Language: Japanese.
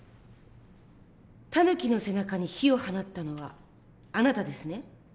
タヌキの背中に火を放ったのはあなたですね？